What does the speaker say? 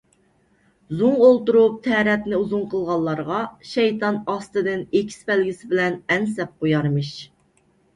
زوڭ ئولتۇرۇپ تەرەتنى ئۇزۇن قىلغانلارغا شەيتان ئاستىدىن ئېكىس بەلگىسى بىلەن ئەن سەپ قويارمىش.